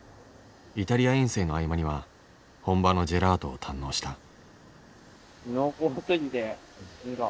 イタリア遠征の合間には本場のジェラートを堪能した。